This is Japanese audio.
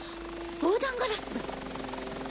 防弾ガラスだわ。